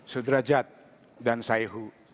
saudara jat dan saya hu